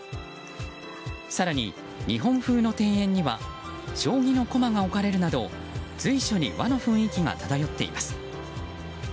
更に、日本風の庭園には将棋の駒が置かれるなど随所に和の雰囲気が漂っています。